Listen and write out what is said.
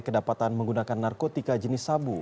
kedapatan menggunakan narkotika jenis sabu